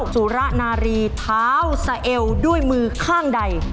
สุระนารีเท้าสะเอวด้วยมือข้างใด